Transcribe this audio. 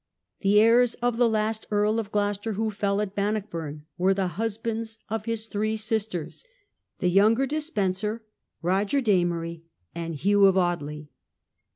The heirs of the last Earl of Gloucester who fell at Bannockburn were the husbands of his three sisters, the younger Despenser, Roger d' Amory, and Hugh of Audley.